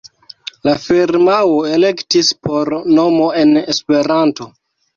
La firmao elektis por nomo en Esperanto.